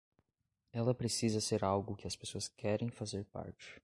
Ela precisa ser algo que as pessoas querem fazer parte.